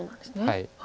はい。